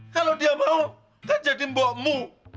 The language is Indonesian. kalau dia mau kan jadi mbokmu